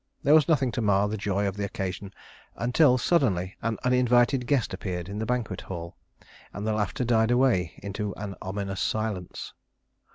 There was nothing to mar the joy of the occasion until suddenly an uninvited guest appeared in the banquet hall, and the laughter died away into an ominous silence.